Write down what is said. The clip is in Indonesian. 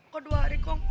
kok dua hari kong